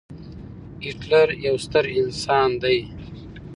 هېټلر يو ستر انسان دی.